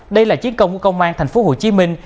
đây là chiến công của công an thành phố hồ chí minh